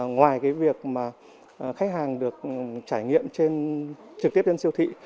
ngoài cái việc mà khách hàng được trải nghiệm trực tiếp đến siêu thị